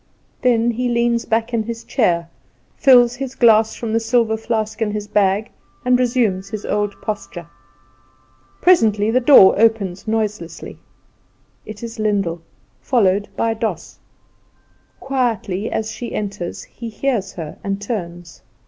Then he leans back in his chair, fills his glass from the silver flask in his bag, and resumes his old posture. Presently the door opens noiselessly. It is Lyndall, followed by Doss. Quietly as she enters, he hears her, and turns.